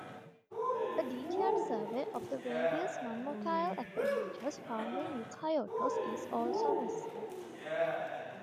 A detailed survey of the various nonmotile appendages found in eukaryotes is also necessary.